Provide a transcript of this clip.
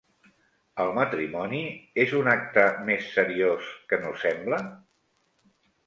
El matrimoni, és un acte més seriós que no sembla?